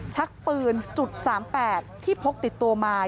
ชักปืน๓๘ที่พกติดตัวมา